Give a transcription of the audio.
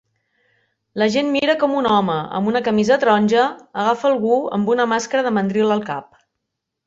La gent mira com un home amb una camisa taronja agafa algú amb una màscara de mandril al cap